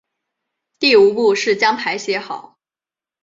第五步是将牌写好。